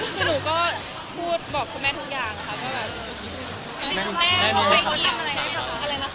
คือหนูก็พูดบอกคุณแม่ทุกอย่าง